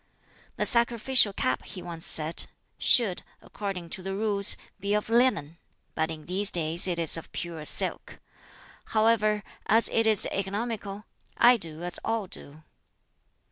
"The sacrificial cap," he once said, "should, according to the Rules, be of linen; but in these days it is of pure silk. However, as it is economical, I do as all do.